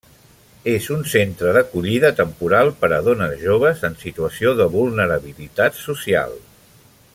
És un centre d'acollida temporal per a dones joves en situació de vulnerabilitat social.